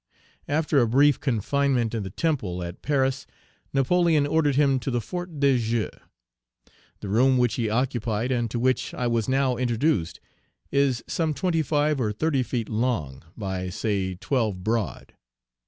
After a brief confinement in the Temple at Page 351 Paris, Napoleon ordered him to the Fort de Joux. The room which he occupied, and to which I was now introduced, is some twenty five or thirty feet long, by, say, twelve broad.